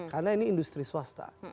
karena ini industri swasta